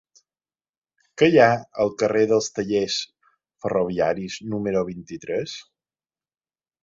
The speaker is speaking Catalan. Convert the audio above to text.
Què hi ha al carrer dels Tallers Ferroviaris número vint-i-tres?